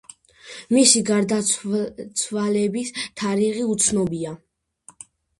მისი გარდაცვალების თარიღი უცნობია.